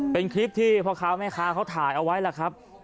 เป็นคลิปที่พ่อค้าแม่ค้าเขาถ่ายเอาไว้ล่ะครับ